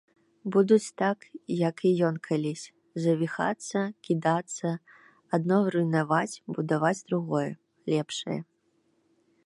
Будуць так, як і ён калісь, завіхацца, кідацца, адно руйнаваць, будаваць другое, лепшае.